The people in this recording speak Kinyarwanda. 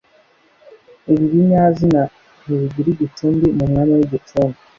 Ibi binyazina ntibigira igicumbi mu mwanya w’igicumbi